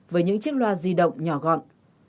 với những chiếc loa di động nhỏ gọn